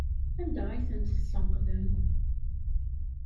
Anda ay tent-tesneqdem?